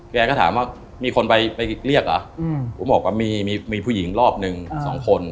แกก็ถามว่ามีคนไปเรียกเหรอผมบอกว่ามีมีผู้หญิงรอบหนึ่งสองคน